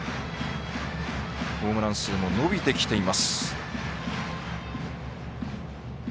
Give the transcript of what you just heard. ホームラン数も伸びてきています。